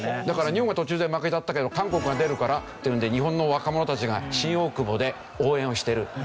だから日本は途中で負けちゃったけど韓国が出るからっていうんで日本の若者たちが新大久保で応援をしてる。